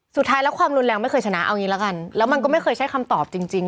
สุดท้ายแล้วความรุนแรงไม่เคยชนะเอางี้ละกันแล้วมันก็ไม่เคยใช้คำตอบจริงจริง